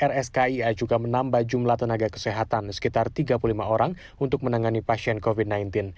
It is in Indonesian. rs kia juga menambah jumlah tenaga kesehatan sekitar tiga puluh lima orang untuk menangani passion copy